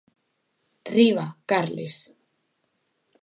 Riba, Carles.